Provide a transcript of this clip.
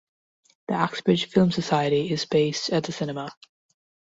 The "Axbridge Film Society" is based at the cinema.